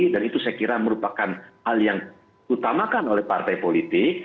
dan itu saya kira merupakan hal yang utamakan oleh partai politik